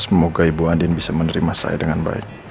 semoga ibu adin bisa menerima saya dengan baik